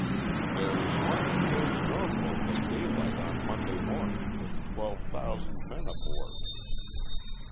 "There's one that clears Norfolk at daylight on Monday morning with twelve thousand men aboard...."